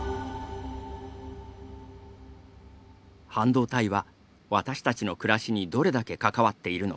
半導体は、私たちの暮らしにどれだけ関わっているのか。